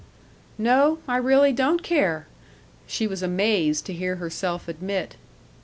"No, I really don't care!" she was amazed to hear herself admit.